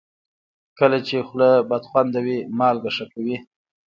کله چې خوله بدخوند وي، مالګه ښه کوي.